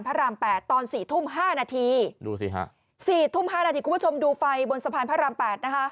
พระราม๘ตอน๔ทุ่ม๕นาทีดูสิฮะสี่ทุ่มห้านาทีคุณผู้ชมดูไฟบนสะพานพระราม๘นะคะ